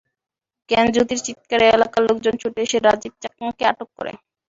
জ্ঞান জ্যোতির চিৎকারে এলাকার লোকজন ছুটে এসে রাজীব চাকমাকে আটক করে।